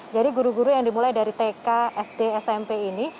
jadi guru guru yang dimulai dari tk sd smp ini